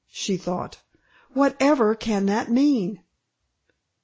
she thought. "Whatever can that mean?"